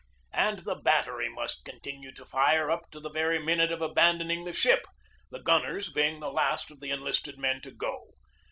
And the battery must continue to fire up to the very minute of abandoning the ship, the gunners being the last of the enlisted men to go.